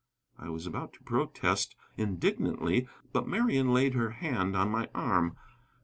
I was about to protest indignantly, but Marian laid her hand on my arm.